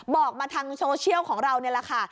บอกมาทางโซเชียลของเรานี่แหละค่ะ